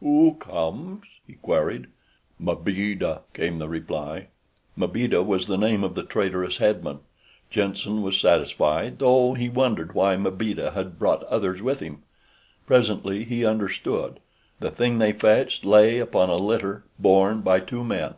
"Who comes?" he queried. "Mbeeda," came the reply. Mbeeda was the name of the traitorous head man. Jenssen was satisfied, though he wondered why Mbeeda had brought others with him. Presently he understood. The thing they fetched lay upon a litter borne by two men.